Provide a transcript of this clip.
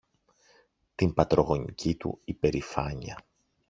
την πατρογονική του υπερηφάνεια